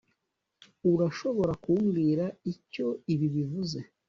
urashobora kumbwira icyo ibi bivuze?